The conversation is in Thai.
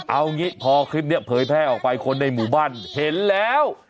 เอางี้พอคลิปนี้เผยแพร่ออกไปคนในหมู่บ้านเห็นแล้ว